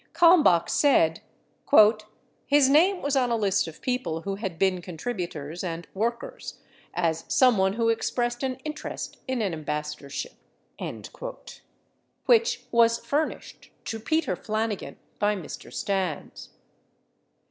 Kalmbach said, "His name was on a list of people who had been contributors and work ers, as someone who expressed an interest in an ambassadorship," which "was furnished to (Peter) Flanigan by Mr. Stans."